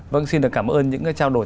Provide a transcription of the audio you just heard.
vâng xin được cảm ơn những cái trao đổi